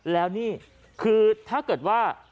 แล้วนี่คือถ้าเกิดว่า